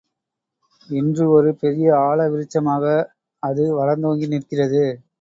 இன்று ஒரு பெரிய ஆலவிருட்சமாக அது வளர்ந்தோங்கி நிற்கிறது.